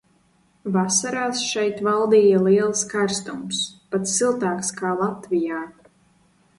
Vasarās šeit valdīja liels karstums, pat siltāks kā Latvijā.